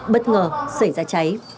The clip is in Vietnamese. bất ngờ xảy ra cháy